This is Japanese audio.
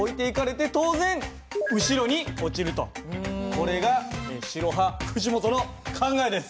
これが白派藤本の考えです。